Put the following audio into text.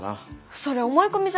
それ思い込みじゃない？